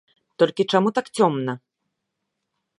Толькі чаму так цёмна?